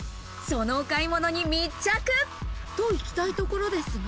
そのお買い物に密着。と、行きたいところですが。